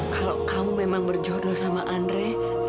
kalau kamu memang berjodoh sama andre